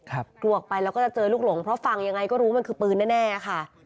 กลัวออกไปแล้วก็จะเจอลูกหลงเพราะฟังยังไงก็รู้มันคือปืนแน่ค่ะ